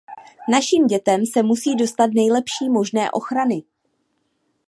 Našim dětem se musí dostat nejlepší možné ochrany.